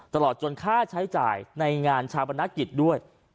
ตลอดจนค่าใช้จ่ายในงานชาปนกิจด้วย